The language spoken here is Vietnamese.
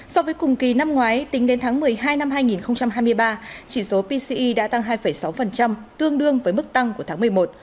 so với cùng kỳ năm ngoái tính đến tháng một mươi hai năm hai nghìn hai mươi ba chỉ số pce đã tăng hai sáu tương đương với mức tăng của tháng một mươi một